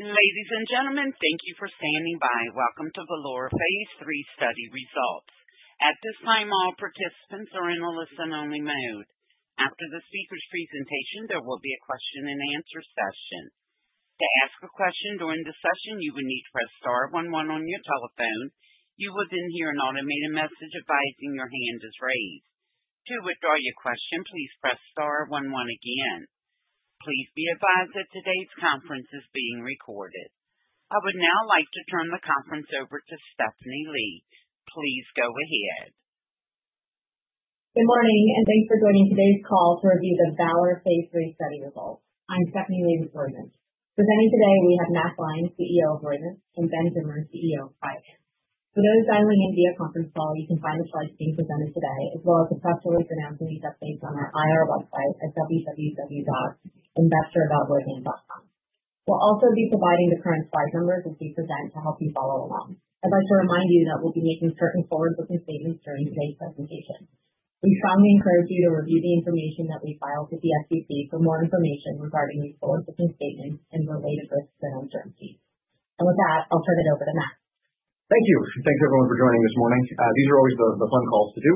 Ladies and gentlemen, thank you for standing by. Welcome to the VALOR Phase III study results. At this time, all participants are in a listen-only mode. After the speaker's presentation, there will be a question-and-answer session. To ask a question during the session, you would need to press star one-one on your telephone. You will then hear an automated message advising your hand is raised. To withdraw your question, please press star one-one again. Please be advised that today's conference is being recorded. I would now like to turn the conference over to Stephanie Lee. Please go ahead. Good morning, and thanks for joining today's call to review the VALOR phase 3 study results. I'm Stephanie Lee with Roivant. Presenting today, we have Matt Gline, CEO of Roivant, and Ben Zimmer, CEO of Priovant. For those dialing in via conference call, you can find the slides being presented today, as well as the press release announcing these updates on our IR website at www.investor.roivant.com. We'll also be providing the current slide numbers as we present to help you follow along. I'd like to remind you that we'll be making certain forward-looking statements during today's presentation. We strongly encourage you to review the information that we filed with the SEC for more information regarding these forward-looking statements and related risks and uncertainties. And with that, I'll turn it over to Matt. Thank you. Thanks, everyone, for joining this morning. These are always the fun calls to do.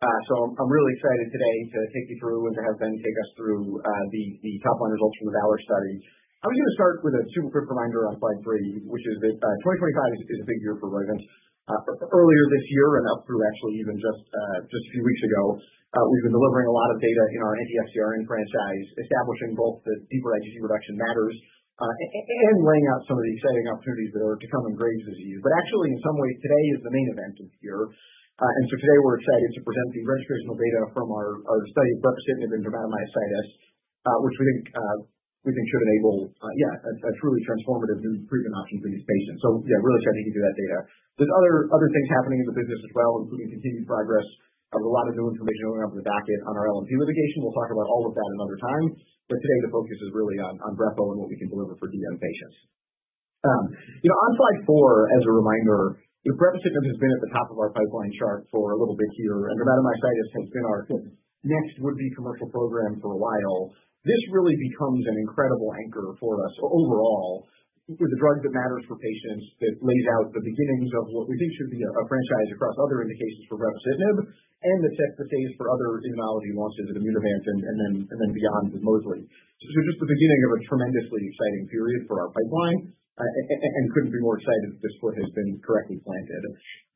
So I'm really excited today to take you through and to have Ben take us through the top-line results from the VALOR study. I was going to start with a super quick reminder on slide 3, which is that 2025 is a big year for Roivant. Earlier this year and up through actually even just a few weeks ago, we've been delivering a lot of data in our anti-FcRn franchise, establishing both the deeper IgG reduction matters and laying out some of the exciting opportunities that are to come in Graves' disease. But actually, in some ways, today is the main event of the year. And so today, we're excited to present the registrational data from our study of brepocitinib and dermatomyositis, which we think should enable, yeah, a truly transformative new treatment option for these patients. So yeah, really excited to get you that data. There's other things happening in the business as well, including continued progress. There's a lot of new information going on in the docket on our LNP litigation. We'll talk about all of that another time. But today, the focus is really on Brepo and what we can deliver for DM patients. On slide 4, as a reminder, brepocitinib has been at the top of our pipeline chart for a little bit here, and dermatomyositis has been our sort of next would-be commercial program for a while. This really becomes an incredible anchor for us overall with a drug that matters for patients that lays out the beginnings of what we think should be a franchise across other indications for brepocitinib and that sets the stage for other immunology launches at Immunovant and then beyond with mosliciguat. So just the beginning of a tremendously exciting period for our pipeline and couldn't be more excited that this foot has been correctly planted.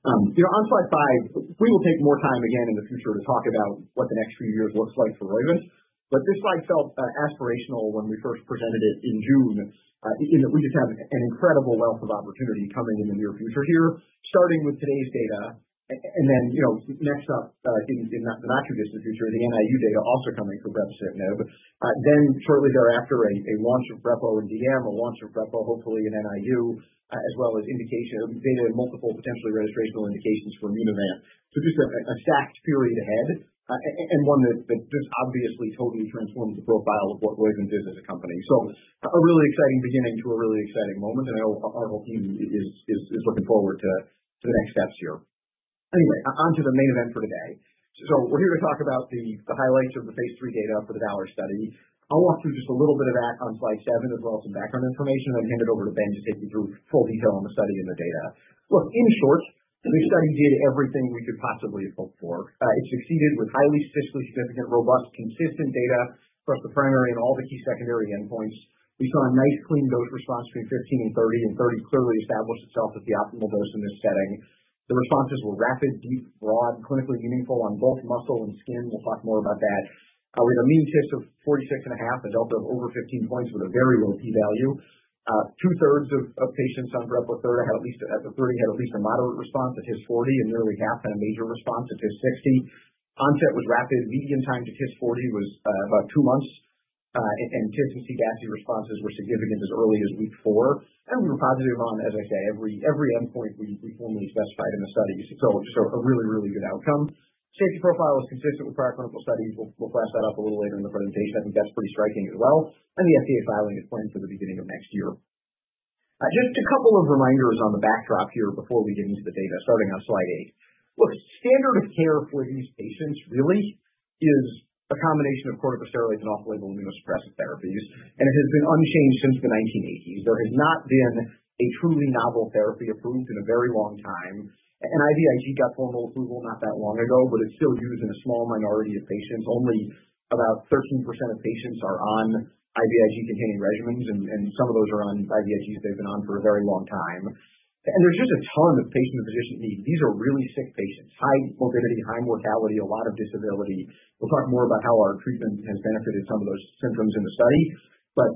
On slide 5, we will take more time again in the future to talk about what the next few years looks like for Roivant. But this slide felt aspirational when we first presented it in June in that we just have an incredible wealth of opportunity coming in the near future here, starting with today's data. And then next up in the not-too-distant future, the NIU data also coming for brepocitinib. Then shortly thereafter, a launch of Brepo in DM, a launch of Brepo, hopefully in NIU, as well as data and multiple potentially registrational indications for Immunovant. So just a stacked period ahead and one that just obviously totally transforms the profile of what Roivant is as a company. So a really exciting beginning to a really exciting moment. And I know our whole team is looking forward to the next steps here. Anyway, on to the main event for today. So we're here to talk about the highlights of the phase III data for the Valor study. I'll walk through just a little bit of that on slide 7, as well as some background information. Then hand it over to Ben to take you through full detail on the study and the data. Look, in short, this study did everything we could possibly hope for. It succeeded with highly statistically significant, robust, consistent data across the primary and all the key secondary endpoints. We saw a nice clean dose response between 15 mg and 30 mg, and 30 mg clearly established itself as the optimal dose in this setting. The responses were rapid, deep, broad, clinically meaningful on both muscle and skin. We'll talk more about that. We had a mean TIS of 46.5, a delta of over 15 points with a very low p-value. Two-thirds of patients on Brepo had at least a 30 mg, had at least a moderate response at TIS 40 and nearly half had a major response at TIS 60. Onset was rapid. Median time to TIS 40 was about two months, and TIS and CDACI responses were significant as early as week four, and we were positive on, as I say, every endpoint we formally specified in the study. So just a really, really good outcome. Safety profile was consistent with prior clinical studies. We'll flash that up a little later in the presentation. I think that's pretty striking as well. And the FDA filing is planned for the beginning of next year. Just a couple of reminders on the backdrop here before we get into the data, starting on slide 8. Look, standard of care for these patients really is a combination of corticosteroids and off-label immunosuppressive therapies. And it has been unchanged since the 1980s. There has not been a truly novel therapy approved in a very long time. And IVIG got formal approval not that long ago, but it's still used in a small minority of patients. Only about 13% of patients are on IVIG-containing regimens, and some of those are on IVIGs they've been on for a very long time. There's just a ton of patient and physician needs. These are really sick patients, high morbidity, high mortality, a lot of disability. We'll talk more about how our treatment has benefited some of those symptoms in the study. But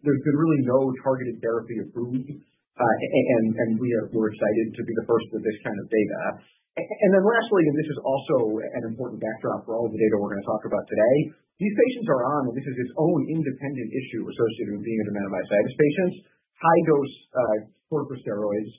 there's been really no targeted therapy approved. We're excited to be the first with this kind of data. Then lastly, and this is also an important backdrop for all of the data we're going to talk about today, these patients are on, and this is its own independent issue associated with being a dermatomyositis patient, high-dose corticosteroids,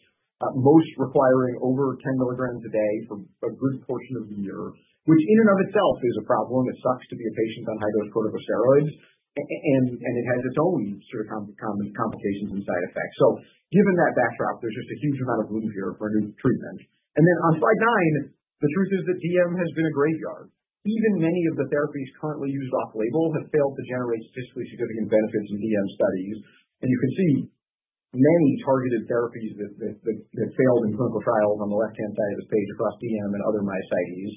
most requiring over 10 milligrams a day for a good portion of the year, which in and of itself is a problem. It sucks to be a patient on high-dose corticosteroids. It has its own sort of common complications and side effects. So given that backdrop, there's just a huge amount of room here for a new treatment. And then on slide nine, the truth is that DM has been a graveyard. Even many of the therapies currently used off-label have failed to generate statistically significant benefits in DM studies. And you can see many targeted therapies that failed in clinical trials on the left-hand side of this page across DM and other myositis.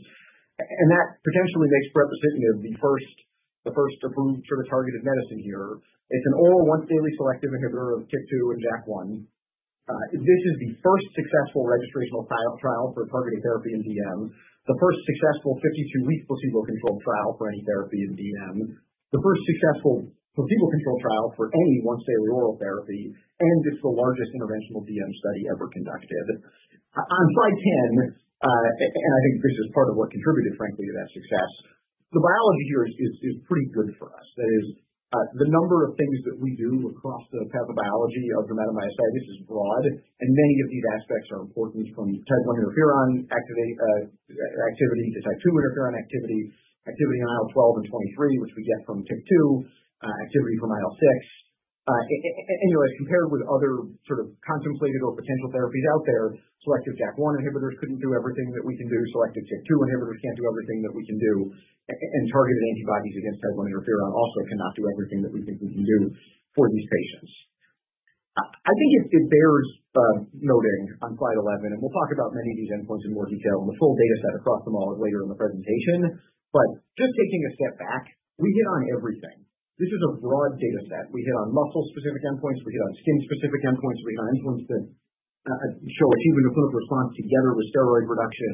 And that potentially makes brepocitinib the first approved sort of targeted medicine here. It's an oral once-daily selective inhibitor of TYK2 and JAK1. This is the first successful registrational trial for targeted therapy in DM, the first successful 52-week placebo-controlled trial for any therapy in DM, the first successful placebo-controlled trial for any once-daily oral therapy, and it's the largest interventional DM study ever conducted. On slide 10, and I think this is part of what contributed, frankly, to that success, the biology here is pretty good for us. That is, the number of things that we do across the pathobiology of dermatomyositis is broad, and many of these aspects are important from type I interferon activity to type II interferon activity, activity on IL-12 and IL-23, which we get from TYK2, activity from IL-6. Anyway, compared with other sort of contemplated or potential therapies out there, selective JAK1 inhibitors couldn't do everything that we can do. Selective TYK2 inhibitors can't do everything that we can do, and targeted antibodies against type I interferon also cannot do everything that we think we can do for these patients. I think it bears noting on slide 11, and we'll talk about many of these endpoints in more detail and the full data set across them all later in the presentation. But just taking a step back, we hit on everything. This is a broad data set. We hit on muscle-specific endpoints. We hit on skin-specific endpoints. We hit on endpoints that show achievement of clinical response together with steroid reduction.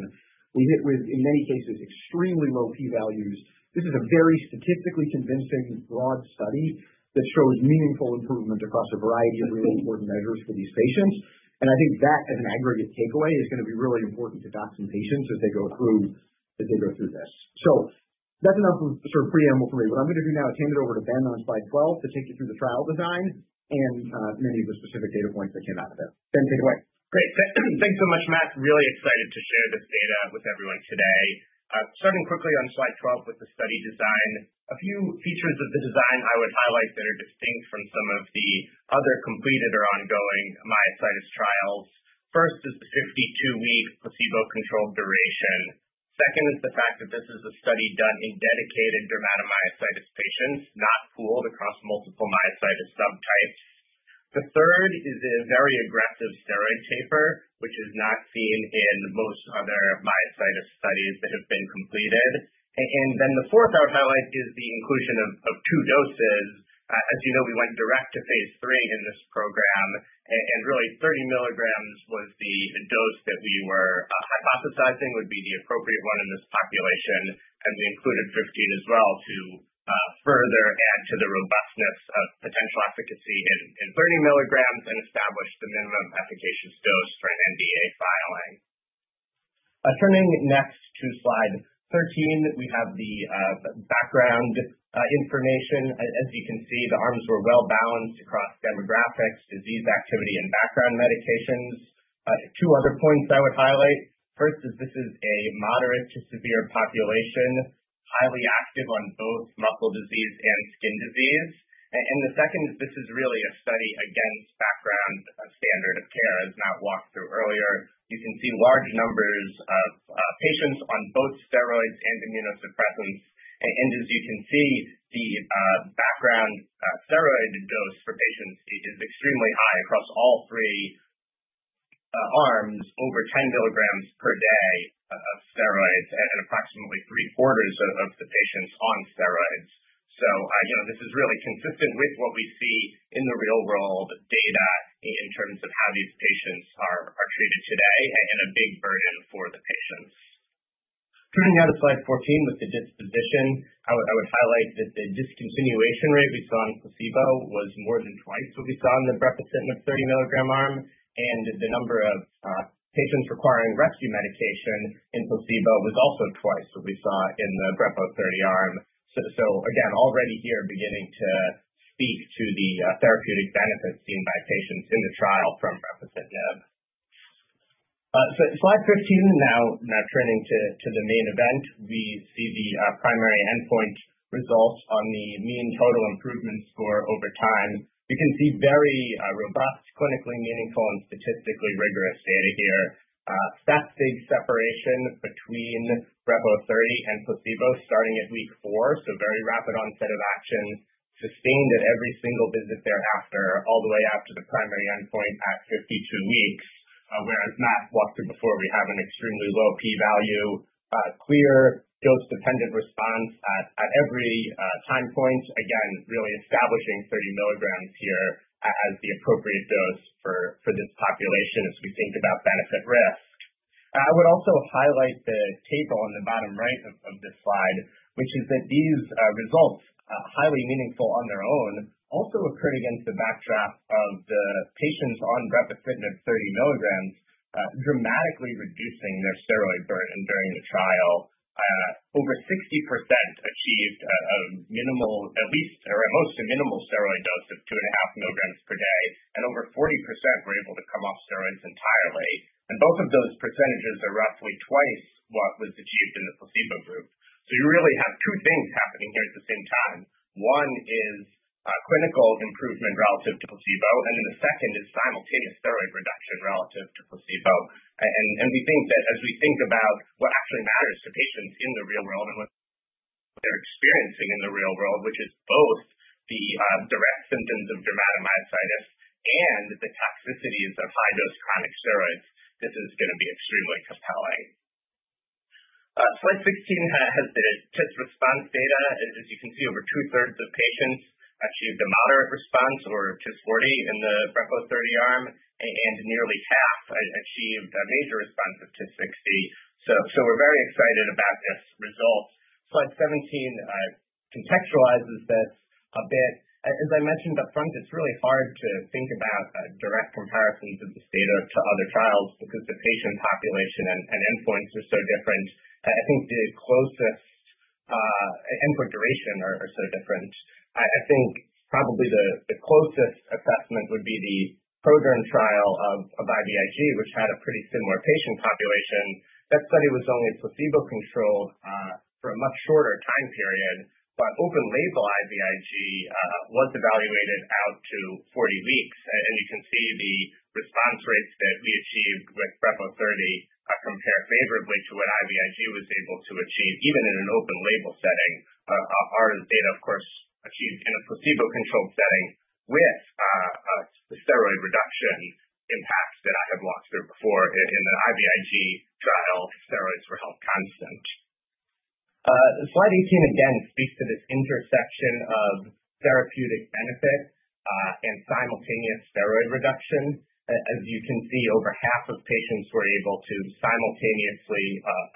We hit with, in many cases, extremely low p-values. This is a very statistically convincing broad study that shows meaningful improvement across a variety of really important measures for these patients. And I think that, as an aggregate takeaway, is going to be really important to docs and patients as they go through this. So that's enough of sort of preamble for me. What I'm going to do now is hand it over to Ben on slide 12 to take you through the trial design and many of the specific data points that came out of it. Ben, take it away. Great. Thanks so much, Matt. Really excited to share this data with everyone today. Starting quickly on slide 12 with the study design, a few features of the design I would highlight that are distinct from some of the other completed or ongoing myositis trials. First is the 52-week placebo-controlled duration. Second is the fact that this is a study done in dedicated dermatomyositis patients, not pooled across multiple myositis subtypes. The third is a very aggressive steroid taper, which is not seen in most other myositis studies that have been completed. And then the fourth I would highlight is the inclusion of two doses. As you know, we went direct to phase III in this program. And really, 30 mg was the dose that we were hypothesizing would be the appropriate one in this population. And we included 15 mg as well to further add to the robustness of potential efficacy in 30 mg and establish the minimum efficacious dose for an NDA filing. Turning next to slide 13, we have the background information. As you can see, the arms were well-balanced across demographics, disease activity, and background medications. Two other points I would highlight. First is this is a moderate-to-severe population, highly active on both muscle disease and skin disease. And the second is this is really a study against background standard of care, as Matt walked through earlier. You can see large numbers of patients on both steroids and immunosuppressants. And as you can see, the background steroid dose for patients is extremely high across all three arms, over 10 mg per day of steroids and approximately three-quarters of the patients on steroids. This is really consistent with what we see in the real-world data in terms of how these patients are treated today and a big burden for the patients. Turning now to slide 14 with the disposition, I would highlight that the discontinuation rate we saw in placebo was more than twice what we saw in the brepocitinib 30 mg arm. And the number of patients requiring rescue medication in placebo was also twice what we saw in the Brepo 30 arm. So again, already here, beginning to speak to the therapeutic benefits seen by patients in the trial from brepocitinib. Slide 15, now turning to the main event, we see the primary endpoint results on the mean total improvement score over time. You can see very robust, clinically meaningful, and statistically rigorous data here. That big separation between Brepo 30 and placebo starting at week four, so very rapid onset of action, sustained at every single visit thereafter, all the way after the primary endpoint at 52 weeks. Whereas Matt walked through before, we have an extremely low p-value, clear dose-dependent response at every time point, again, really establishing 30 mg here as the appropriate dose for this population as we think about benefit-risk. I would also highlight the table on the bottom right of this slide, which is that these results, highly meaningful on their own, also occurred against the backdrop of the patients on brepocitinib 30 mg dramatically reducing their steroid burden during the trial. Over 60% achieved a minimal, at least, or at most a minimal steroid dose of 2.5 mg per day. And over 40% were able to come off steroids entirely. Both of those percentages are roughly twice what was achieved in the placebo group. You really have two things happening here at the same time. One is clinical improvement relative to placebo. The second is simultaneous steroid reduction relative to placebo. We think that as we think about what actually matters to patients in the real world and what they're experiencing in the real world, which is both the direct symptoms of dermatomyositis and the toxicities of high-dose chronic steroids, this is going to be extremely compelling. Slide 16 has the TIS response data. As you can see, over two-thirds of patients achieved a moderate response or TIS 40 in the Brepo 30 arm. Nearly half achieved a major response of TIS 60. We're very excited about this result. Slide 17 contextualizes this a bit. As I mentioned upfront, it's really hard to think about direct comparisons of this data to other trials because the patient population and endpoints are so different. I think the closest endpoint durations are so different. I think probably the closest assessment would be the ProDERM trial of IVIG, which had a pretty similar patient population. That study was only placebo-controlled for a much shorter time period, but open-label IVIG was evaluated out to 40 weeks, and you can see the response rates that we achieved with Brepo 30 compare favorably to what IVIG was able to achieve, even in an open-label setting. Our data, of course, achieved in a placebo-controlled setting with the steroid reduction impacts that I have walked through before in the IVIG trial. Steroids were held constant. Slide 18 again speaks to this intersection of therapeutic benefit and simultaneous steroid reduction. As you can see, over half of patients were able to simultaneously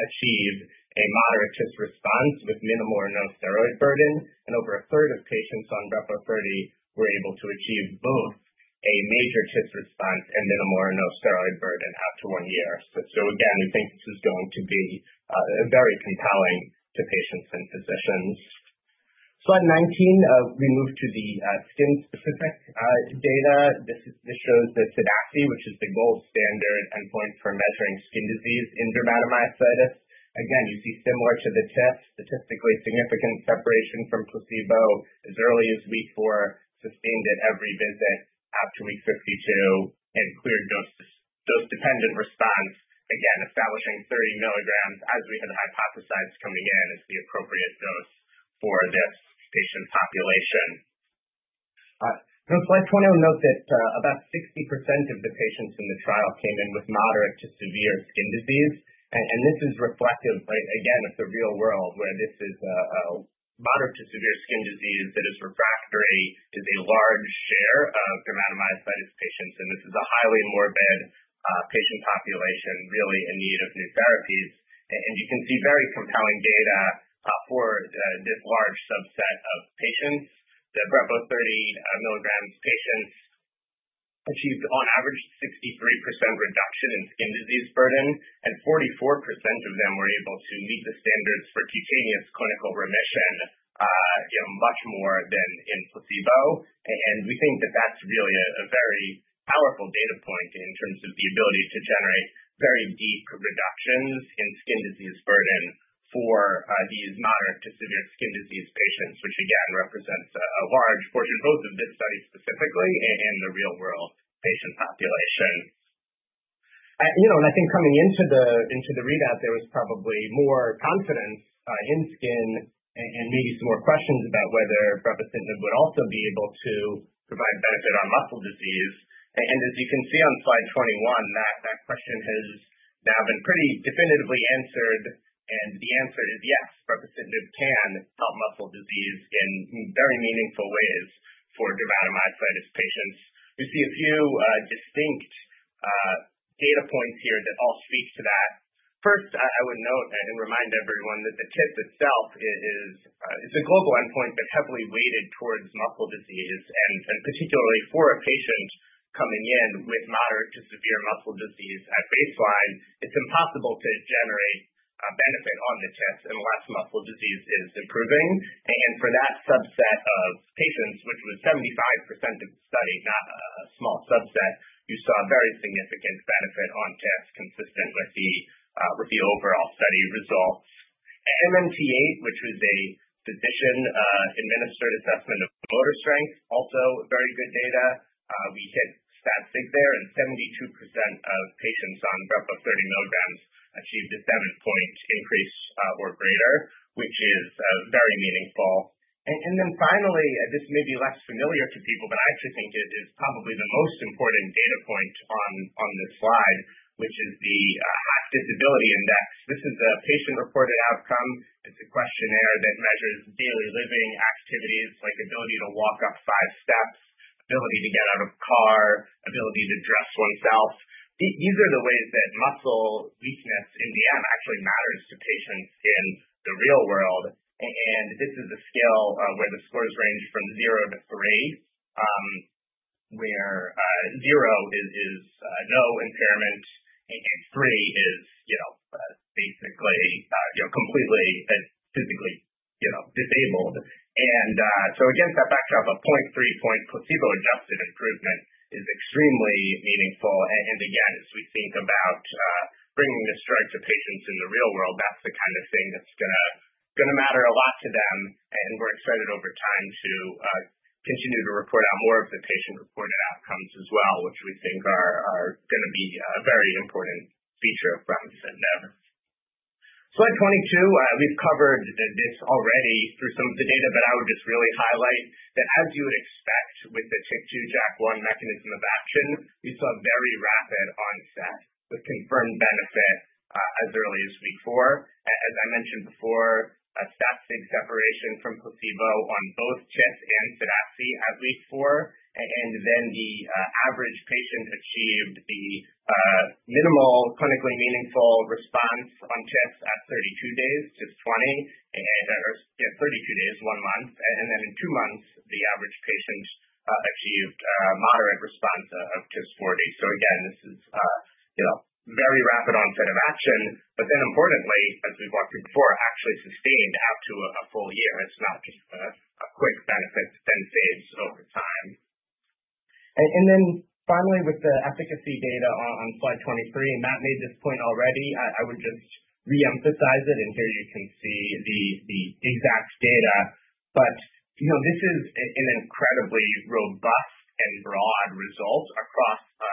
achieve a moderate TIS response with minimal or no steroid burden, and over a third of patients on Brepo 30 were able to achieve both a major TIS response and minimal or no steroid burden out to one year, so again, we think this is going to be very compelling to patients and physicians. Slide 19, we move to the skin-specific data. This shows the CDACI, which is the gold standard endpoint for measuring skin disease in dermatomyositis. Again, you see similar to the TIS, statistically significant separation from placebo as early as week four, sustained at every visit out to week 52, and clear dose-dependent response. Again, establishing 30 mg, as we had hypothesized, coming in as the appropriate dose for this patient population. Slide 20 will note that about 60% of the patients in the trial came in with moderate-to-severe skin disease, and this is reflective, again, of the real world, where this is a moderate-to-severe skin disease that is refractory is a large share of dermatomyositis patients, and this is a highly morbid patient population, really in need of new therapies, and you can see very compelling data for this large subset of patients. The Brepo 30 mg patients achieved, on average, 63% reduction in skin disease burden, and 44% of them were able to meet the standards for cutaneous clinical remission much more than in placebo. And we think that that's really a very powerful data point in terms of the ability to generate very deep reductions in skin disease burden for these moderate-to-severe skin disease patients, which again represents a large portion, both of this study specifically and the real-world patient population. And I think coming into the readout, there was probably more confidence in skin and maybe some more questions about whether brepocitinib would also be able to provide benefit on muscle disease. And as you can see on slide 21, that question has now been pretty definitively answered. And the answer is yes, brepocitinib can help muscle disease in very meaningful ways for dermatomyositis patients. We see a few distinct data points here that all speak to that. First, I would note and remind everyone that the TIS itself is a global endpoint, but heavily weighted towards muscle disease. And particularly for a patient coming in with moderate-to-severe muscle disease at baseline, it's impossible to generate benefit on the TIS unless muscle disease is improving. And for that subset of patients, which was 75% of the study, not a small subset, you saw very significant benefit on TIS consistent with the overall study results. MMT-8, which was a physician-administered assessment of motor strength, also very good data. We hit stat sig there. And 72% of patients on Brepo 30 mg achieved a seven-point increase or greater, which is very meaningful. And then finally, this may be less familiar to people, but I actually think it is probably the most important data point on this slide, which is the HAQ-DI. This is a patient-reported outcome. It's a questionnaire that measures daily living activities, like ability to walk up five steps, ability to get out of a car, ability to dress oneself. These are the ways that muscle weakness in the end actually matters to patients in the real world. And this is a scale where the scores range from 0 to 3, where 0 is no impairment and 3 is basically completely physically disabled. And so against that backdrop of 0.3 point placebo-adjusted improvement is extremely meaningful. And again, as we think about bringing this drug to patients in the real world, that's the kind of thing that's going to matter a lot to them. And we're excited over time to continue to report out more of the patient-reported outcomes as well, which we think are going to be a very important feature of brepocitinib. Slide 22, we've covered this already through some of the data, but I would just really highlight that as you would expect with the TYK2 JAK1 mechanism of action, we saw very rapid onset with confirmed benefit as early as week four. As I mentioned before, stat sig separation from placebo on both TIS and CDACI at week four, and then the average patient achieved the minimal clinically meaningful response on TIS at 32 days, TIS 20, or 32 days, one month, and then in two months, the average patient achieved moderate response of TIS 40. So again, this is very rapid onset of action, but then importantly, as we've walked through before, actually sustained out to a full year. It's not just a quick benefit that then fades over time, and then finally, with the efficacy data on slide 23, Matt made this point already. I would just reemphasize it. And here you can see the exact data. But this is an incredibly robust and broad result across a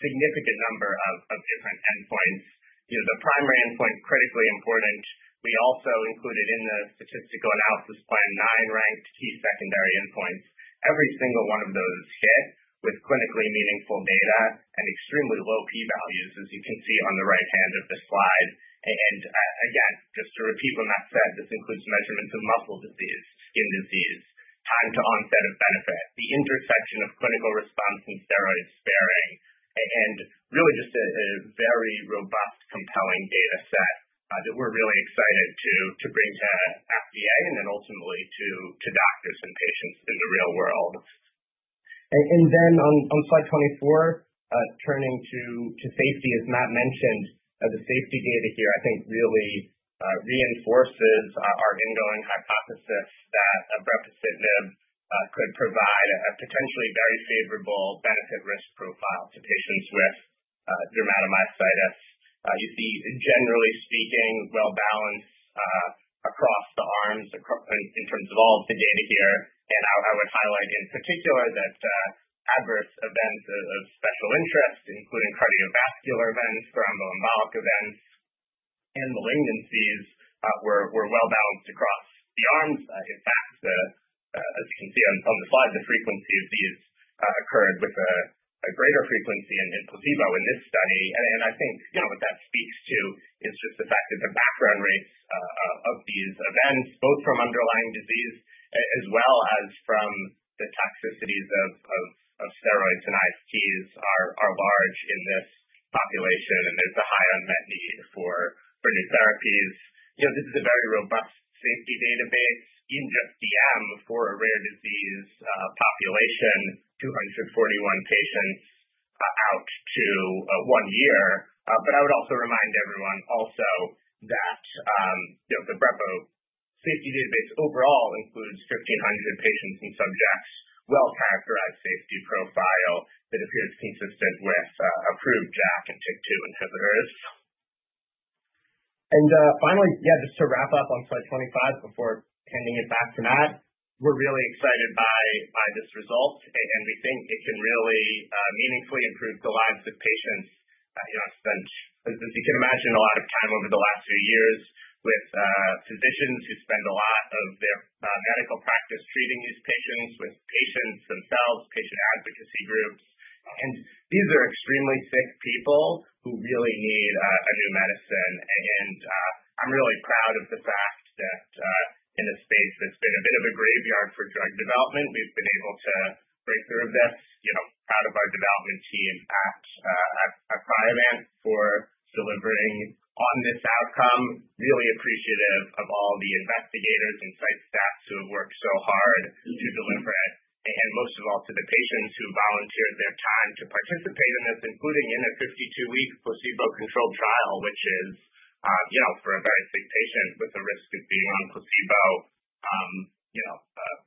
significant number of different endpoints. The primary endpoint, critically important, we also included in the statistical analysis plan nine ranked key secondary endpoints. Every single one of those hit with clinically meaningful data and extremely low p-values, as you can see on the right hand of the slide. And again, just to repeat what Matt said, this includes measurements of muscle disease, skin disease, time to onset of benefit, the intersection of clinical response and steroid sparing, and really just a very robust, compelling data set that we're really excited to bring to FDA and then ultimately to doctors and patients in the real world. Then on slide 24, turning to safety, as Matt mentioned, the safety data here, I think, really reinforces our incoming hypothesis that brepocitinib could provide a potentially very favorable benefit-risk profile to patients with dermatomyositis. You see, generally speaking, well-balanced across the arms in terms of all of the data here. I would highlight in particular that adverse events of special interest, including cardiovascular events, thromboembolic events, and malignancies, were well-balanced across the arms. In fact, as you can see on the slide, the frequency of these occurred with a greater frequency in placebo in this study. I think what that speaks to is just the fact that the background rates of these events, both from underlying disease as well as from the toxicities of steroids and ISTs, are large in this population. There's a high unmet need for new therapies. This is a very robust safety database in just DM for a rare disease population, 241 patients out to one year. But I would also remind everyone also that the Brepo safety database overall includes 1,500 patients and subjects, well-characterized safety profile that appears consistent with approved JAK and TYK2 inhibitors. And finally, yeah, just to wrap up on slide 25 before handing it back to Matt, we're really excited by this result. And we think it can really meaningfully improve the lives of patients. I've spent, as you can imagine, a lot of time over the last few years with physicians who spend a lot of their medical practice treating these patients with patients themselves, patient advocacy groups. And these are extremely sick people who really need a new medicine. And I'm really proud of the fact that in a space that's been a bit of a graveyard for drug development, we've been able to break through this. Proud of our development team at Priovant for delivering on this outcome. Really appreciative of all the investigators and site staff who have worked so hard to deliver it. And most of all, to the patients who volunteered their time to participate in this, including in a 52-week placebo-controlled trial, which is for a very sick patient with a risk of being on placebo,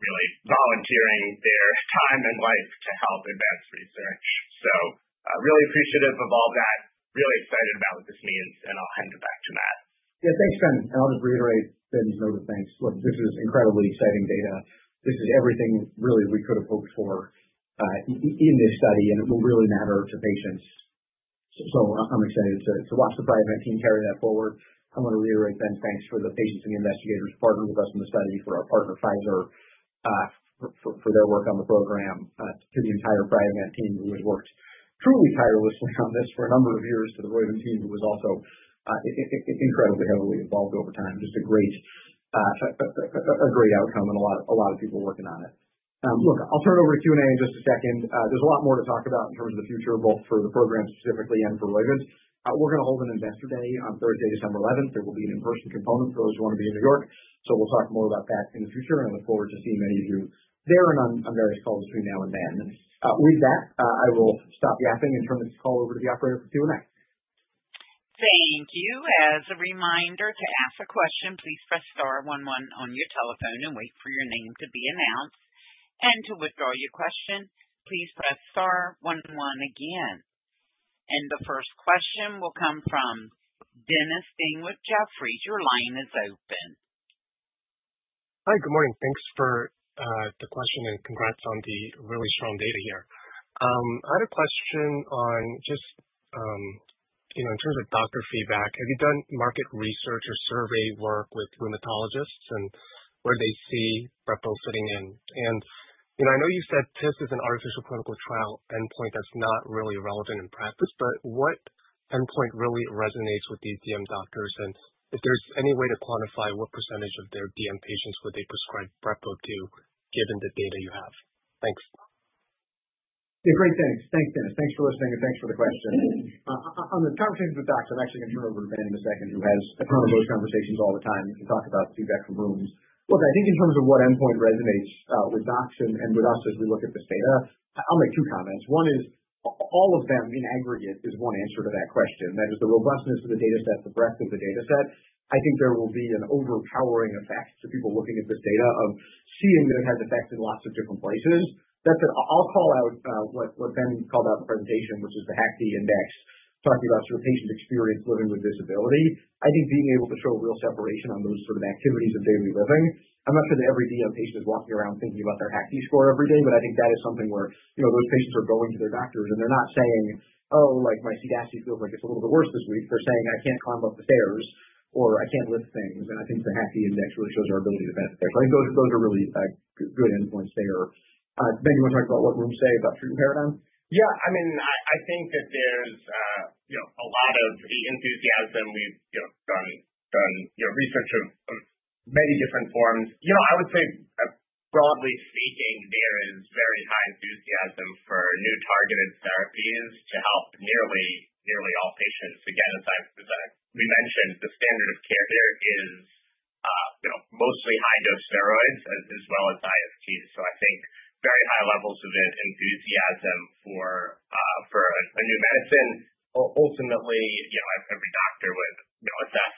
really volunteering their time and life to help advance research. So really appreciative of all that, really excited about what this means. And I'll hand it back to Matt. Yeah, thanks, Ben. And I'll just reiterate, Ben, thanks. This is incredibly exciting data. This is everything really we could have hoped for in this study. It will really matter to patients. I'm excited to watch the Priovant team carry that forward. I want to reiterate, Ben, thanks for the patients and the investigators who partnered with us in the study, for our partner, Pfizer, for their work on the program, to the entire Priovant team who has worked truly tirelessly on this for a number of years, to the Roivant team who was also incredibly heavily involved over time. Just a great outcome and a lot of people working on it. Look, I'll turn it over to Q&A in just a second. There's a lot more to talk about in terms of the future, both for the program specifically and for Roivant. We're going to hold an investor day on Thursday, December 11th. There will be an in-person component for those who want to be in New York. So we'll talk more about that in the future. And I look forward to seeing many of you there and on various calls between now and then. With that, I will stop yapping and turn this call over to the operator for Q&A. Thank you. As a reminder, to ask a question, please press star one-one on your telephone and wait for your name to be announced. And to withdraw your question, please press star one-one again. And the first question will come from Dennis Ding of Jefferies. Your line is open. Hi, good morning. Thanks for the question. And congrats on the really strong data here. I had a question on just in terms of doctor feedback. Have you done market research or survey work with rheumatologists and where they see Brepo sitting in? And I know you said TIS is an artificial clinical trial endpoint that's not really relevant in practice. But what endpoint really resonates with these DM doctors? And if there's any way to quantify what percentage of their DM patients would they prescribe Brepo to, given the data you have? Thanks. Yeah, great. Thanks. Thanks, Dennis. Thanks for listening. And thanks for the question. On the conversations with docs, I'm actually going to turn it over to Ben in a second, who has a ton of those conversations all the time and can talk about feedback from rooms. Look, I think in terms of what endpoint resonates with docs and with us as we look at this data, I'll make two comments. One is all of them in aggregate is one answer to that question. That is the robustness of the data set, the breadth of the data set. I think there will be an overpowering effect to people looking at this data of seeing that it has effects in lots of different places. That said, I'll call out what Ben called out in the presentation, which is the HAQ-DI, talking about sort of patient experience living with disability. I think being able to show real separation on those sort of activities of daily living. I'm not sure that every DM patient is walking around thinking about their HAQ-DI score every day. But I think that is something where those patients are going to their doctors. And they're not saying, "Oh, my CDACI feels like it's a little bit worse this week." They're saying, "I can't climb up the stairs," or, "I can't lift things." And I think the HAQ-DI really shows our ability to benefit there. So I think those are really good endpoints there. Ben, do you want to talk about what rheums say about treatment paradigm? Yeah. I mean, I think that there's a lot of the enthusiasm. We've done research of many different forms. I would say, broadly speaking, there is very high enthusiasm for new targeted therapies to help nearly all patients. Again, as we mentioned, the standard of care there is mostly high-dose steroids as well as ISTs. So I think very high levels of enthusiasm for a new medicine. Ultimately, every doctor would assess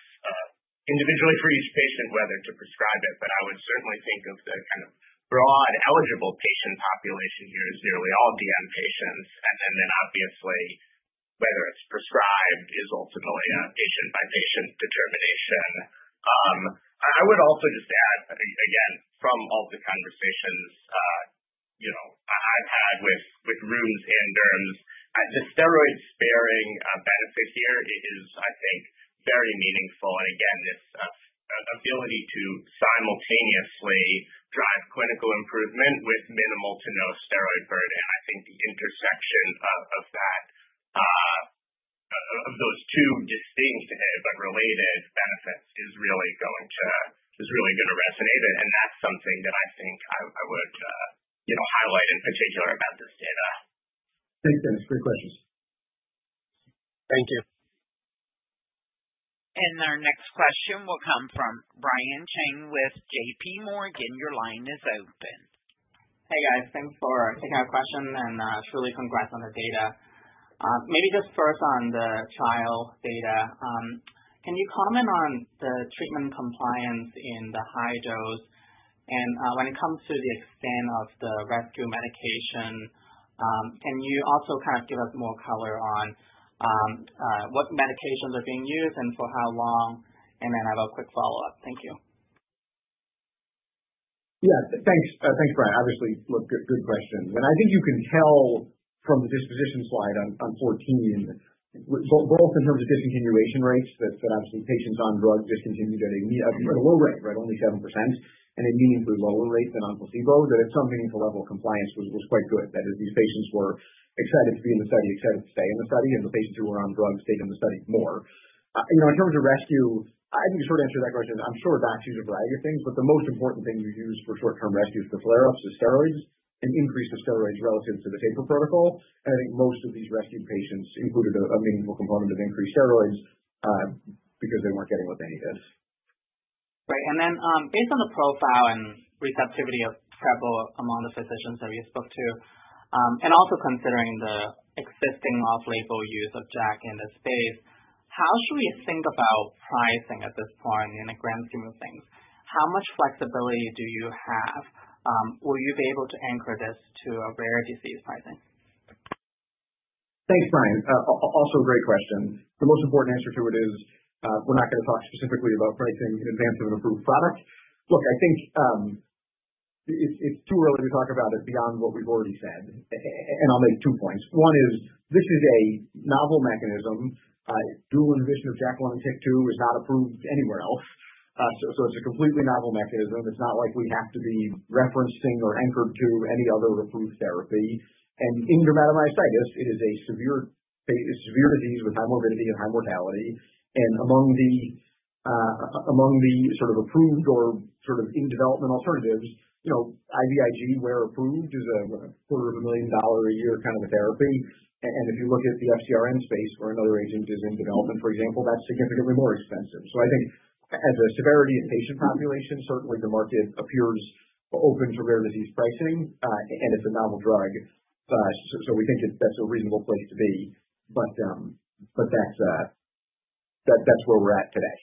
individually for each patient whether to prescribe it. But I would certainly think of the kind of broad eligible patient population here as nearly all DM patients, and then obviously whether it's prescribed is ultimately a patient-by-patient determination. I would also just add, again, from all the conversations I've had with rheums and derms, the steroid-sparing benefit here is, I think, very meaningful. Again, this ability to simultaneously drive clinical improvement with minimal to no steroid burden. I think the intersection of those two distinct but related benefits is really going to resonate. And that's something that I think I would highlight in particular about this data. Thanks, Dennis. Great questions. Thank you. And our next question will come from Brian Cheng with J.P. Morgan. Your line is open. Hey, guys. Thanks for taking our question. And truly congrats on the data. Maybe just first on the trial data. Can you comment on the treatment compliance in the high dose? And when it comes to the extent of the rescue medication, can you also kind of give us more color on what medications are being used and for how long? And then I have a quick follow-up. Thank you. Yeah. Thanks, Brian. Obviously, good question. And I think you can tell from the disposition slide on 14, both in terms of discontinuation rates that obviously patients on drugs discontinued at a low rate, right, only 7%, and a meaningfully lower rate than on placebo, that at some meaningful level, compliance was quite good. That is, these patients were excited to be in the study, excited to stay in the study. And the patients who were on drugs stayed in the study more. In terms of rescue, I think you sort of answered that question. I'm sure docs use a variety of things. But the most important thing you use for short-term rescue for flare-ups is steroids and increase of steroids relative to the taper protocol. And I think most of these rescued patients included a meaningful component of increased steroids because they weren't getting what they needed. Right. And then based on the profile and receptivity of Priovant among the physicians that we spoke to, and also considering the existing off-label use of JAK in this space, how should we think about pricing at this point in a grand scheme of things? How much flexibility do you have? Will you be able to anchor this to a rare disease pricing? Thanks, Brian. Also, great question. The most important answer to it is we're not going to talk specifically about pricing in advance of an approved product. Look, I think it's too early to talk about it beyond what we've already said. And I'll make two points. One is this is a novel mechanism. Dual inhibition of JAK1 and TYK2 is not approved anywhere else. So it's a completely novel mechanism. It's not like we have to be referencing or anchored to any other approved therapy. In dermatomyositis, it is a severe disease with high morbidity and high mortality. Among the sort of approved or sort of in development alternatives, IVIG, where approved, is a $250,000-a-year kind of a therapy. If you look at the FcRn space, where another agent is in development, for example, that is significantly more expensive. I think as a severity and patient population, certainly the market appears open to rare disease pricing. It is a novel drug. We think that is a reasonable place to be. That is where we are at today.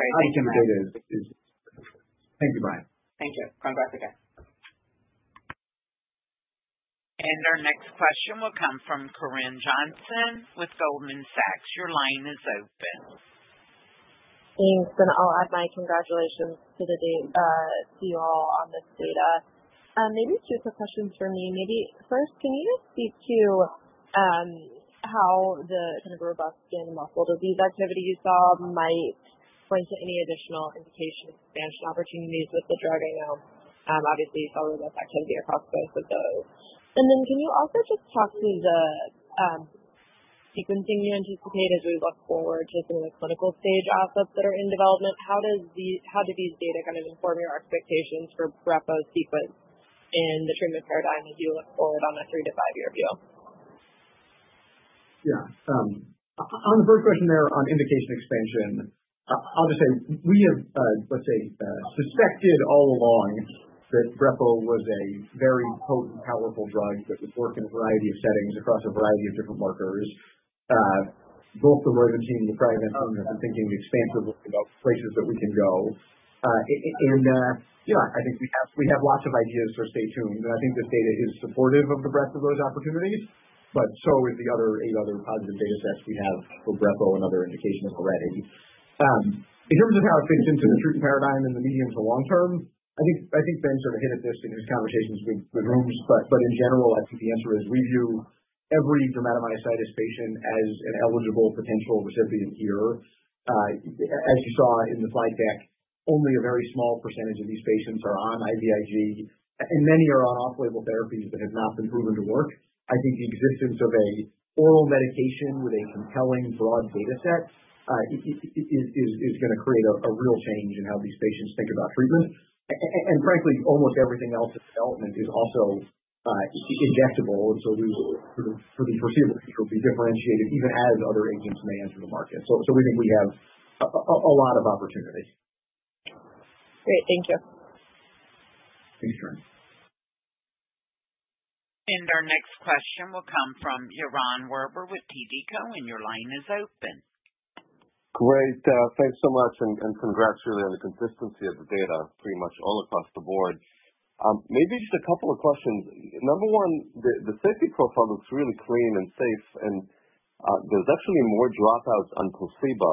I think the data is. Thank you, Brian. Thank you. Congrats again. Our next question will come from Corinne Jenkins with Goldman Sachs. Your line is open. Thanks. I will add my congratulations to you all on this data. Maybe two quick questions for me. Maybe first, can you speak to how the kind of robust skin and muscle disease activity you saw might point to any additional indication expansion opportunities with the drug? I know, obviously, you saw robust activity across both of those. And then can you also just talk to the sequencing you anticipate as we look forward to some of the clinical-stage assets that are in development? How do these data kind of inform your expectations for Brepo sequence and the treatment paradigm as you look forward on a three-to-five-year view? Yeah. On the first question there on indication expansion, I'll just say we have, let's say, suspected all along that Brepo was a very potent, powerful drug that would work in a variety of settings across a variety of different markers. Both the Roivant team and the Priovant team have been thinking expansively about places that we can go. And I think we have lots of ideas, so stay tuned. And I think this data is supportive of the breadth of those opportunities. But so is the other eight positive data sets we have for Brepo and other indications already. In terms of how it fits into the treatment paradigm in the medium to long term, I think Ben sort of hit at this in his conversations with the room. But in general, I think the answer is we view every dermatomyositis patient as an eligible potential recipient here. As you saw in the slide deck, only a very small percentage of these patients are on IVIG. And many are on off-label therapies that have not been proven to work. I think the existence of an oral medication with a compelling broad data set is going to create a real change in how these patients think about treatment. And frankly, almost everything else in development is also injectable. And so for the foreseeable future, it will be differentiated even as other agents may enter the market. So we think we have a lot of opportunity. Great. Thank you. Thanks, Corinne. And our next question will come from Yaron Werber with TD Cowen. And your line is open. Great. Thanks so much. And congrats really on the consistency of the data pretty much all across the board. Maybe just a couple of questions. Number one, the safety profile looks really clean and safe. And there's actually more dropouts on placebo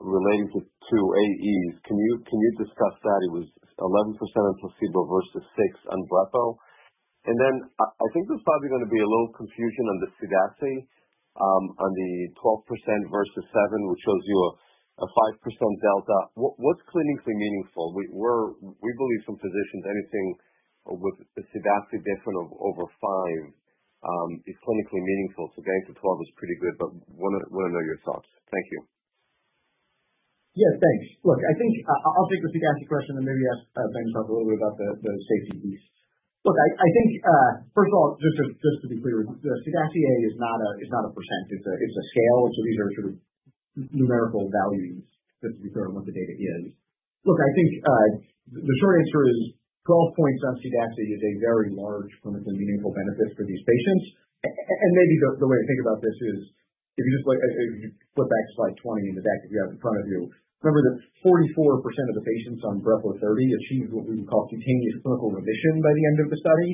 relating to AEs. Can you discuss that? It was 11% on placebo versus 6% on Brepo. And then I think there's probably going to be a little confusion on the CDACI, on the 12% versus 7%, which shows you a 5% delta. What's clinically meaningful? We believe from physicians anything with CDACI different over 5% is clinically meaningful. So getting to 12% is pretty good. But want to know your thoughts. Thank you. Yes, thanks. Look, I think I'll take the CDACI question and maybe ask Ben to talk a little bit about the safety piece. Look, I think, first of all, just to be clear, the CDACI is not a percent. It's a scale. And so these are sort of numerical values just to be clear on what the data is. Look, I think the short answer is 12 points on CDACI is a very large clinically meaningful benefit for these patients. Maybe the way to think about this is if you just flip back to slide 20 in the deck you have in front of you. Remember that 44% of the patients on Brepo 30 achieved what we would call cutaneous clinical remission by the end of the study.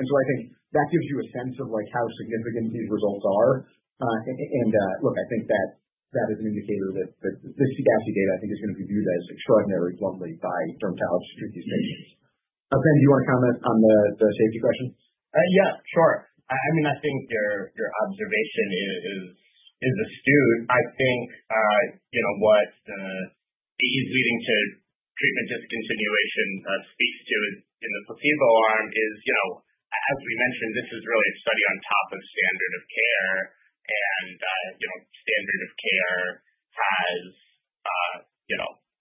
So I think that gives you a sense of how significant these results are. Look, I think that is an indicator that the CDACI data I think is going to be viewed as extraordinarily lovely by dermatologists to treat these patients. Ben, do you want to comment on the safety question? Yeah, sure. I mean, I think your observation is astute. I think what the AEs leading to treatment discontinuation speaks to in the placebo arm is, as we mentioned, this is really a study on top of standard of care. And standard of care has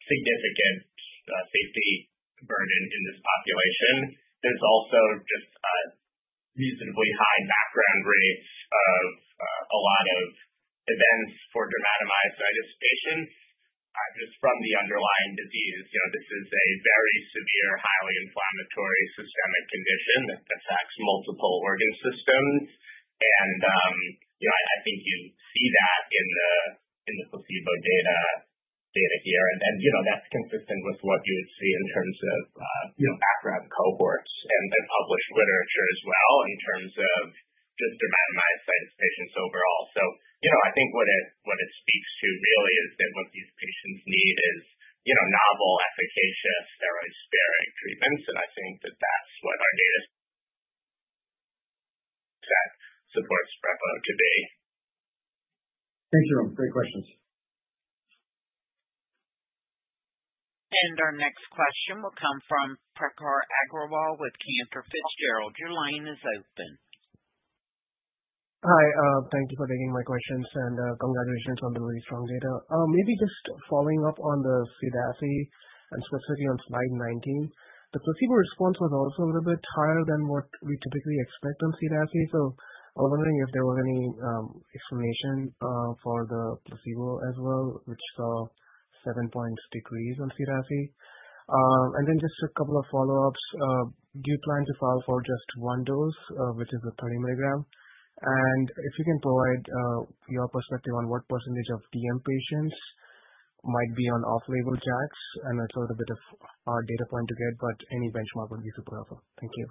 significant safety burden in this population. There's also just reasonably high background rates of a lot of events for dermatomyositis patients just from the underlying disease. This is a very severe, highly inflammatory systemic condition that affects multiple organ systems. And I think you see that in the placebo data here. And that's consistent with what you would see in terms of background cohorts and published literature as well in terms of just dermatomyositis patients overall. So I think what it speaks to really is that what these patients need is novel efficacious steroid-sparing treatments. And I think that that's what our data set supports Brepo to be. Thanks Yaron. Great questions. And our next question will come from Prakhar Agrawal with Cantor Fitzgerald. Your line is open. Hi. Thank you for taking my questions. And congratulations on the really strong data. Maybe just following up on the CDACI and specifically on slide 19, the placebo response was also a little bit higher than what we typically expect on CDACI. So I was wondering if there was any explanation for the placebo as well, which saw seven points decrease on CDACI. And then just a couple of follow-ups. Do you plan to file for just one dose, which is the 30 mg? And if you can provide your perspective on what percentage of DM patients might be on off-label JAKs? I know it is a little bit of a hard data point to get, but any benchmark would be super helpful. Thank you.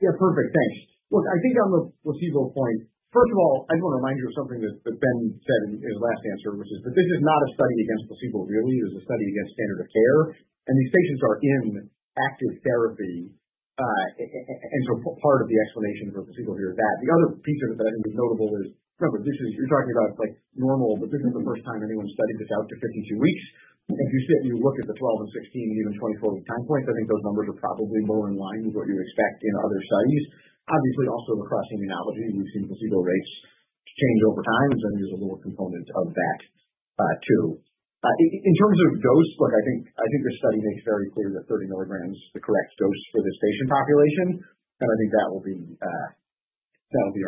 Yeah, perfect. Thanks. Look, I think on the placebo point, first of all, I just want to remind you of something that Ben said in his last answer, which is that this is not a study against placebo really. It is a study against standard of care. And these patients are in active therapy. And so part of the explanation for placebo here is that. The other piece of it that I think is notable is, remember, you're talking about normal, but this is the first time anyone studied this out to 52 weeks. And if you sit and you look at the 12 and 16 and even 24-week time points, I think those numbers are probably more in line with what you expect in other studies. Obviously, also across immunology, we've seen placebo rates change over time. And so I think there's a little component of that too. In terms of dose, look, I think this study makes very clear that 30 mg is the correct dose for this patient population. And I think that will be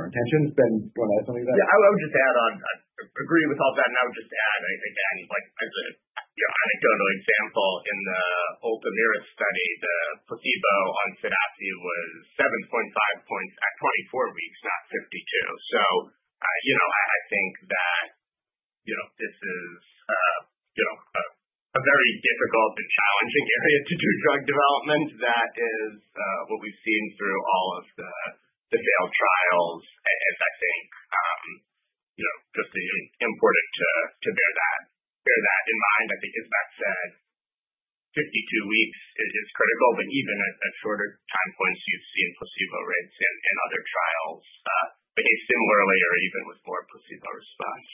our intention. Ben, do you want to add something to that? Yeah. I would just add on. I agree with all of that. And I would just add, again, as an anecdotal example, in the old [Palmyra] study, the placebo on CDACI was 7.5 points at 24 weeks, not 52. So I think that this is a very difficult and challenging area to do drug development. That is what we've seen through all of the failed trials. And I think just important to bear that in mind. I think, as Matt said, 52 weeks is critical. But even at shorter time points, you'd see in placebo rates and other trials behave similarly or even with more placebo response.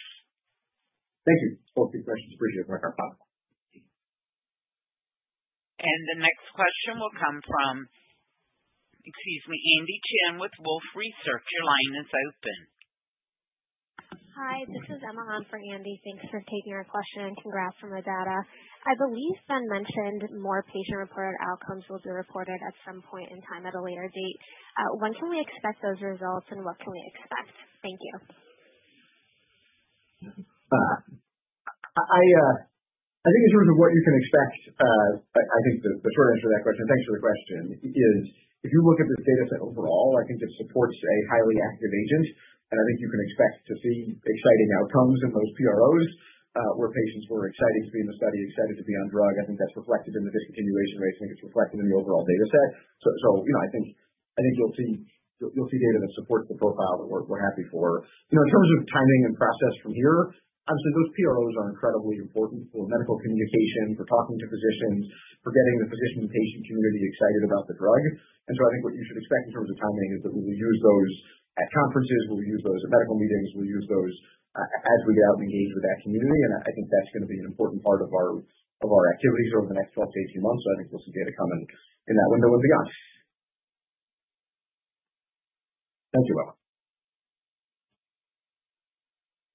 Thank you. Both good questions. Appreciate it, Prakhar. And the next question will come from, excuse me, Andy Chen with Wolfe Research. Your line is open. Hi. This is Emma Han for Andy. Thanks for taking our question and congrats on the data. I believe Ben mentioned more patient-reported outcomes will be reported at some point in time at a later date. When can we expect those results, and what can we expect? Thank you. I think in terms of what you can expect, I think the short answer to that question, thanks for the question, is if you look at this data set overall, I think it supports a highly active agent, and I think you can expect to see exciting outcomes in those PROs where patients were excited to be in the study, excited to be on drug. I think that's reflected in the discontinuation rates. I think it's reflected in the overall data set, so I think you'll see data that supports the profile that we're happy for. In terms of timing and process from here, obviously, those PROs are incredibly important for medical communication, for talking to physicians, for getting the physician-patient community excited about the drug. And so I think what you should expect in terms of timing is that we will use those at conferences. We'll use those at medical meetings. We'll use those as we get out and engage with that community. And I think that's going to be an important part of our activities over the next 12 to 18 months. So I think we'll see data come in that window and beyond.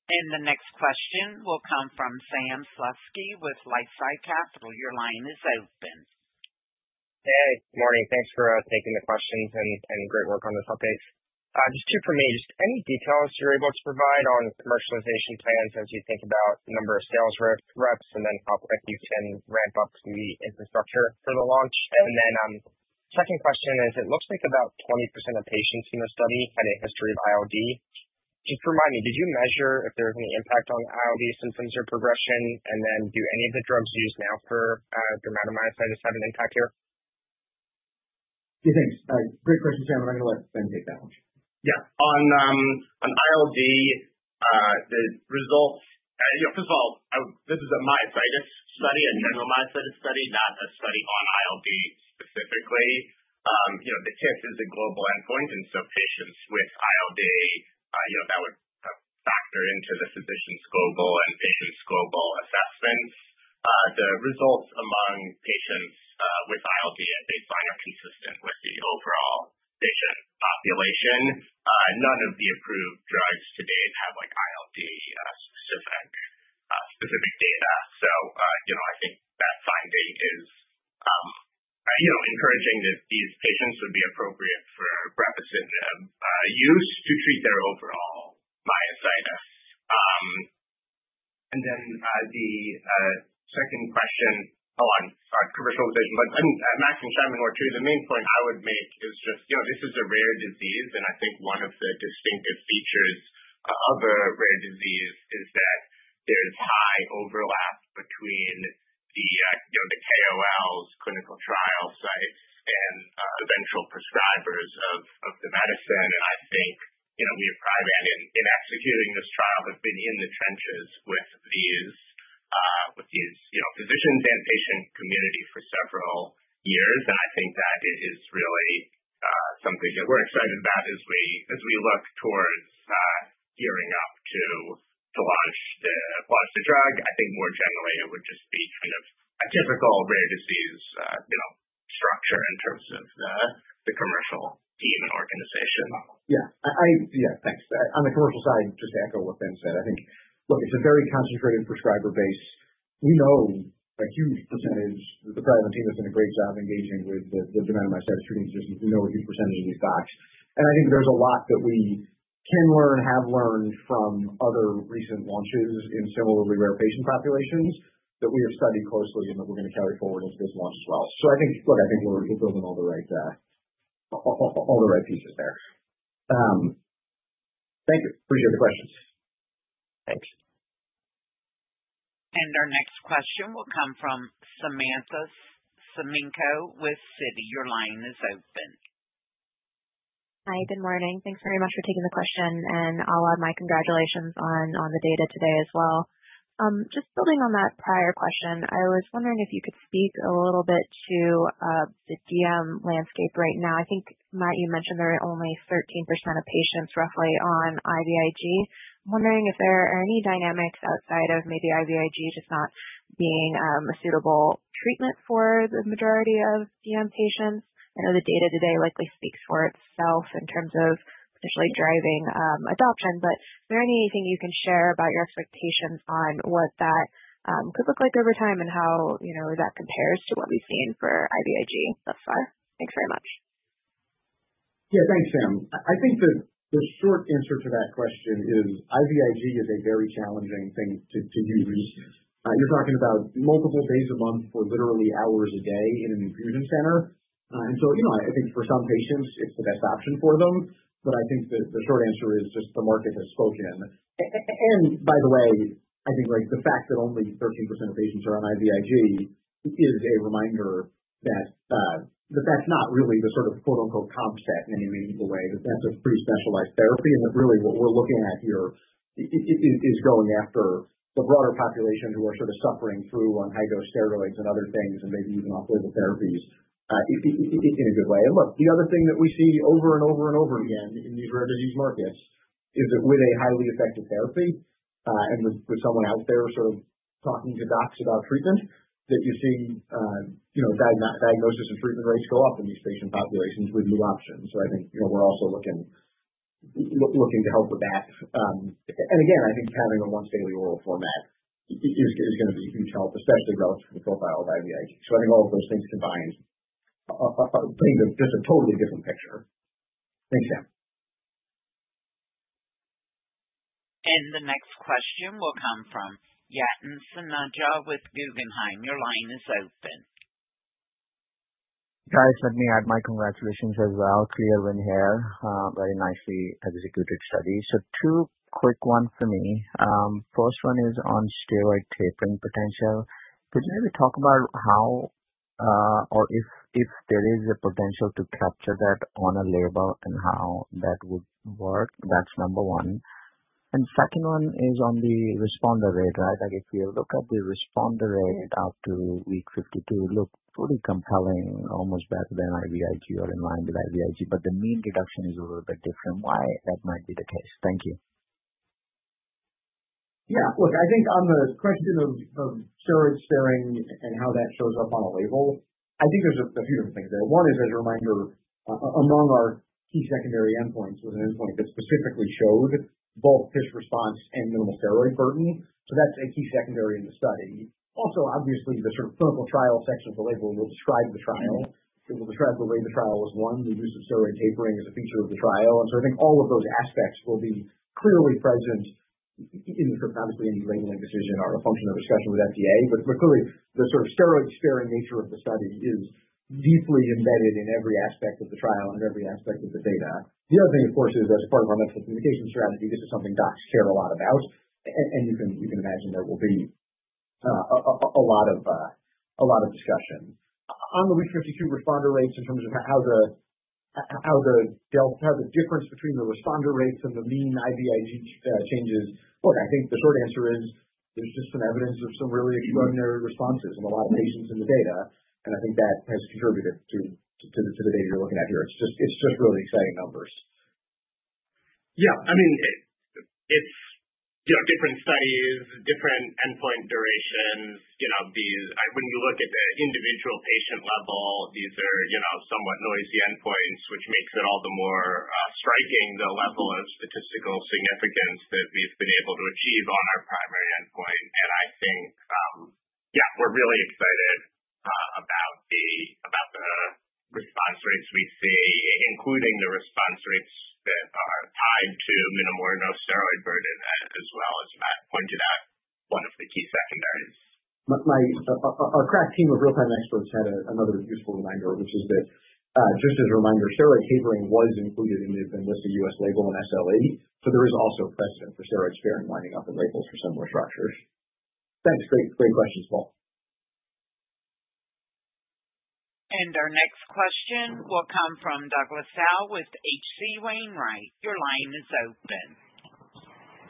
And the next question will come from Sam Slutsky with LifeSci Capital. Your line is open. Hey. Good morning. Thanks for taking the questions and great work on this update. Just two from me. Just any details you're able to provide on commercialization plans as you think about the number of sales reps, and then how quick you can ramp up the infrastructure for the launch, and then second question is, it looks like about 20% of patients in the study had a history of ILD. Just remind me, did you measure if there was any impact on ILD symptoms or progression? And then do any of the drugs used now for dermatomyositis have an impact here? Thanks. Great question, Sam, and I'm going to let Ben take that one. Yeah. On ILD, the results, first of all, this is a myositis study, a general myositis study, no study on ILD specifically. The TIS is a global endpoint. And so patients with ILD, that would factor into the physician's global and patient's global assessments. The results among patients with ILD at baseline are consistent with the overall patient population. None of the approved drugs to date have ILD-specific data, so I think that finding is encouraging that these patients would be appropriate for brepocitinib use to treat their overall myositis, and then the second question, hold on, sorry, commercialization, but Max and Shimon were too. The main point I would make is just this is a rare disease, and I think one of the distinctive features of a rare disease is that there's high overlap between the KOLs, clinical trial sites, and eventual prescribers of the medicine, and I think we at Priovant, in executing this trial, have been in the trenches with these physicians and patient community for several years, and I think that is really something that we're excited about as we look towards gearing up to launch the drug. I think more generally, it would just be kind of a typical rare disease structure in terms of the commercial team and organization. Yeah. Yeah. Thanks. On the commercial side, just to echo what Ben said, I think, look, it's a very concentrated prescriber base. We know a huge percentage that the Priovant team has done a great job engaging with the dermatomyositis treating physicians. We know a huge percentage of these docs. And I think there's a lot that we can learn, have learned from other recent launches in similarly rare patient populations that we have studied closely and that we're going to carry forward into this launch as well. So I think, look, I think we're building all the right pieces there. Thank you. Appreciate the questions. Thanks. And our next question will come from Samantha Semenkow with Citi. Your line is open. Hi. Good morning. Thanks very much for taking the question. And I'll add my congratulations on the data today as well. Just building on that prior question, I was wondering if you could speak a little bit to the DM landscape right now. I think, Matt, you mentioned there are only roughly 13% of patients on IVIG. I'm wondering if there are any dynamics outside of maybe IVIG just not being a suitable treatment for the majority of DM patients. I know the data today likely speaks for itself in terms of potentially driving adoption. But is there anything you can share about your expectations on what that could look like over time and how that compares to what we've seen for IVIG thus far? Thanks very much. Yeah. Thanks, Sam. I think the short answer to that question is IVIG is a very challenging thing to use. You're talking about multiple days a month for literally hours a day in an infusion center. And so I think for some patients, it's the best option for them. But I think the short answer is just the market has spoken. And by the way, I think the fact that only 13% of patients are on IVIG is a reminder that that's not really the sort of "compset" in any meaningful way. That that's a pretty specialized therapy. And that really what we're looking at here is going after the broader population who are sort of suffering through on high-dose steroids and other things and maybe even off-label therapies in a good way. And look, the other thing that we see over and over and over again in these rare disease markets is that with a highly effective therapy and with someone out there sort of talking to docs about treatment, that you see diagnosis and treatment rates go up in these patient populations with new options. So I think we're also looking to help with that. And again, I think having a once-daily oral format is going to be a huge help, especially relative to the profile of IVIG. So I think all of those things combined paint just a totally different picture. Thanks, Sam. And the next question will come from Yatin Suneja with Guggenheim. Your line is open. Guys, let me add my congratulations as well. Clear win here. Very nicely executed study. So two quick ones for me. First one is on steroid tapering potential. Could you maybe talk about how or if there is a potential to capture that on a label and how that would work? That's number one, and second one is on the responder rate, right? If you look at the responder rate up to week 52, look, pretty compelling, almost better than IVIG or in line with IVIG. But the mean reduction is a little bit different. Why that might be the case? Thank you. Yeah. Look, I think on the question of steroid sparing and how that shows up on a label, I think there's a few different things there. One is, as a reminder, among our key secondary endpoints was an endpoint that specifically showed both TIS response and minimal steroid burden. So that's a key secondary in the study. Also, obviously, the sort of clinical trial section of the label will describe the trial. It will describe the way the trial was won, the use of steroid tapering as a feature of the trial, and so I think all of those aspects will be clearly present in the script. Obviously, any labeling decision are a function of discussion with FDA, but clearly, the sort of steroid-sparing nature of the study is deeply embedded in every aspect of the trial and in every aspect of the data. The other thing, of course, is as part of our medical communication strategy, this is something docs care a lot about, and you can imagine there will be a lot of discussion on the week 52 responder rates in terms of how the difference between the responder rates and the mean IVIG changes. Look, I think the short answer is there's just some evidence of some really extraordinary responses in a lot of patients in the data. And I think that has contributed to the data you're looking at here. It's just really exciting numbers. Yeah. I mean, it's different studies, different endpoint durations. When you look at the individual patient level, these are somewhat noisy endpoints, which makes it all the more striking, the level of statistical significance that we've been able to achieve on our primary endpoint. And I think, yeah, we're really excited about the response rates we see, including the response rates that are tied to minimal or no steroid burden, as well as Matt pointed out, one of the key secondaries. Our crack team of real-time experts had another useful reminder, which is that just as a reminder, steroid tapering was included in the Benlysta U.S. label and SLE. So there is also precedent for steroid sparing winding up in labels for similar structures. Thanks. Great questions, [Paul]. And our next question will come from Douglas Tsao with H.C. Wainwright. Your line is open.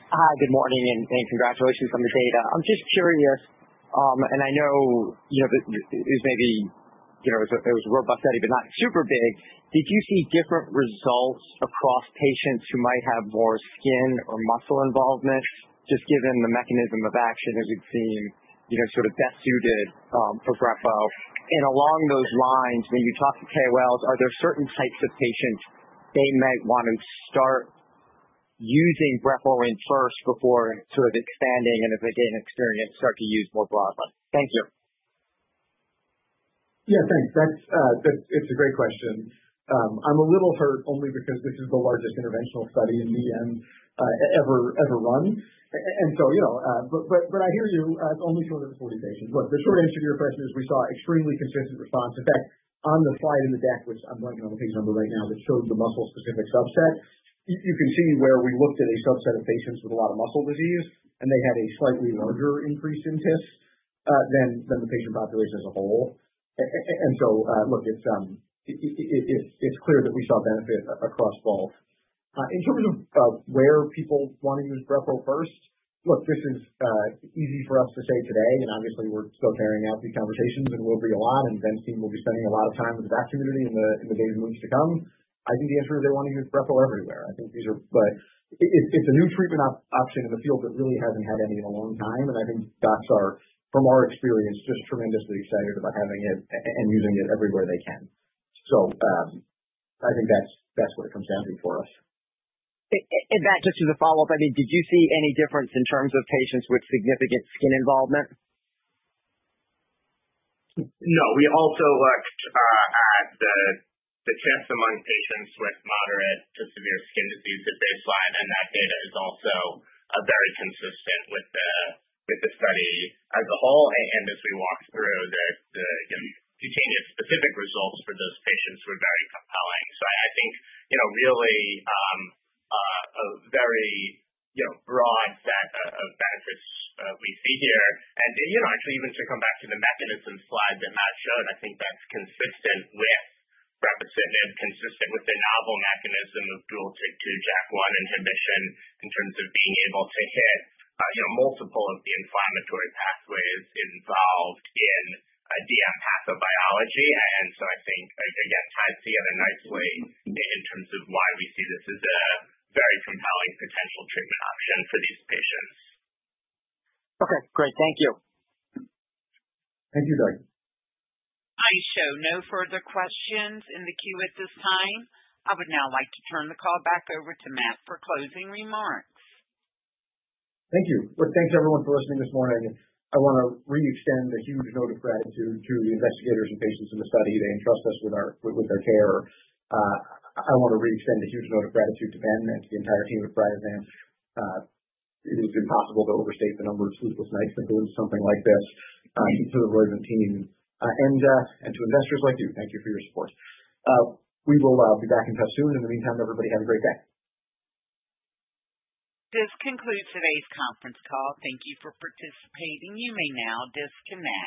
Hi. Good morning. And congratulations on the data. I'm just curious, and I know it was maybe it was a robust study, but not super big. Did you see different results across patients who might have more skin or muscle involvement, just given the mechanism of action as it seemed sort of best suited for Brepo? And along those lines, when you talk to KOLs, are there certain types of patients they might want to start using Brepo in first before sort of expanding and, as they gain experience, start to use more broadly? Thank you. Yeah. Thanks. It's a great question. I'm a little hurt only because this is the largest interventional study in DM ever run. And so but I hear you. It's only 240 patients. Look, the short answer to your question is we saw extremely consistent response. In fact, on the slide in the deck, which I'm blanking on the page number right now that shows the muscle-specific subset, you can see where we looked at a subset of patients with a lot of muscle disease, and they had a slightly larger increase in TIS than the patient population as a whole. And so, look, it's clear that we saw benefit across both. In terms of where people want to use Brepo first, look, this is easy for us to say today. And obviously, we're still carrying out these conversations, and we'll be a lot. And Ben's team will be spending a lot of time with the rheum community in the days and weeks to come. I think the answer is they want to use Brepo everywhere. I think these are, but it's a new treatment option in the field that really hasn't had any in a long time. I think docs are, from our experience, just tremendously excited about having it and using it everywhere they can. So I think that's what it comes down to for us. And Matt, just as a follow-up, I mean, did you see any difference in terms of patients with significant skin involvement? No. We also looked at the TIS among patients with moderate to severe skin disease at baseline. And that data is also very consistent with the study as a whole. And as we walked through the cutaneous-specific results for those patients, they were very compelling. So I think really a very broad set of benefits we see here. Actually, even to come back to the mechanism slide that Matt showed, I think that's consistent with brepocitinib, consistent with the novel mechanism of dual TYK2 JAK1 inhibition in terms of being able to hit multiple of the inflammatory pathways involved in DM pathobiology. So I think, again, ties together nicely in terms of why we see this as a very compelling potential treatment option for these patients. Okay. Great. Thank you. Thank you, Doug. I show no further questions in the queue at this time. I would now like to turn the call back over to Matt for closing remarks. Thank you. Look, thanks, everyone, for listening this morning. I want to re-extend a huge note of gratitude to the investigators and patients in the study today and trust us with their care. I want to re-extend a huge note of gratitude to Ben and to the entire team at Priovant. It is impossible to overstate the number of sleepless nights that go into something like this to the Roivant team and to investors like you. Thank you for your support. We will be back in touch soon. In the meantime, everybody have a great day. This concludes today's conference call. Thank you for participating. You may now disconnect.